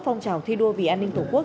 phong trào thi đua vì an ninh tổ quốc